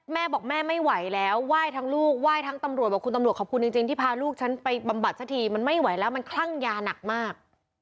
แม่บอกแม่ไม่ไหวแล้วไหว้ทั้งลูกไหว้ทั้งตำรวจบอกคุณตำรวจขอบคุณจริงที่พาลูกฉันไปบำบัดสักทีมันไม่ไหวแล้วมันคลั่งยาหนักมาก